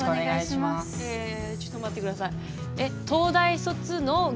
えちょっと待って下さい。